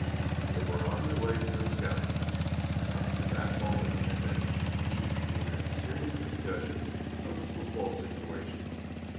They were on their way to the scout meeting, and up to that moment had been deep in a serious discussion of the football situation.